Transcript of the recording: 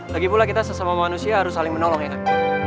lagipula kita sesama manusia harus saling menolong ya kak